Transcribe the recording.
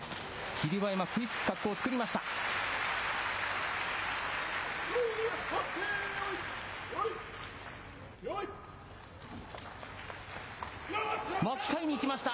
霧馬山、食いつく格好を作りました。